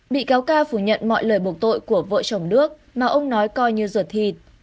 bị cáo ca phủ nhận mọi lời buộc tội của vợ chồng đức mà ông nói coi như ruột thịt